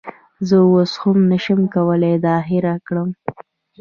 زه اوس هم نشم کولی دا هیر کړم